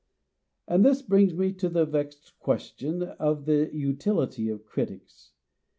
And this brings me to the vexed question of the utility of critics.